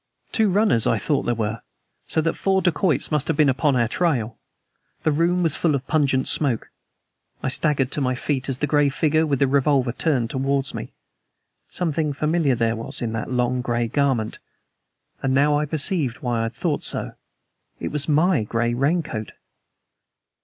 Two runners, I thought there were, so that four dacoits must have been upon our trail. The room was full of pungent smoke. I staggered to my feet as the gray figure with the revolver turned towards me. Something familiar there was in that long, gray garment, and now I perceived why I had thought so. It was my gray rain coat.